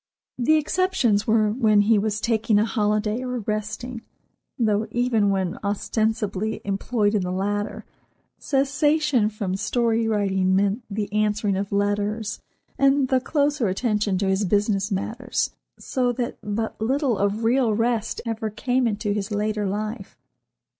The exceptions were when he was taking a holiday or resting, though even when ostensibly employed in the latter, cessation from story writing meant the answering of letters and the closer attention to his business matters, so that but little of real rest ever came into his later life.